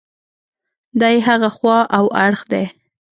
دا یې هغه خوا او اړخ دی.